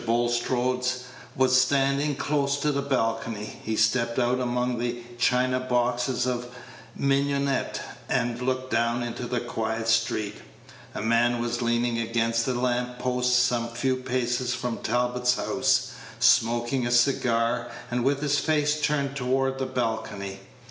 Bulstrode was standing close to the balcony; he stepped out among the china boxes of mignonette, and looked down into the quiet street. A man was leaning against a lamp post some few paces from Talbot's house, smoking a cigar, and with his face turned toward the balcony.